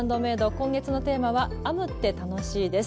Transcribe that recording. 今月のテーマは「編むって楽しい！」です。